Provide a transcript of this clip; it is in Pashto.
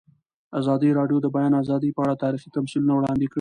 ازادي راډیو د د بیان آزادي په اړه تاریخي تمثیلونه وړاندې کړي.